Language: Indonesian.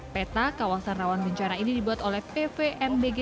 peta kawasan rawan bencana ini dibuat oleh pvmbg